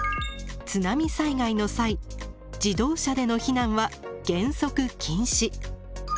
津波災害の際自動車での避難は原則禁止。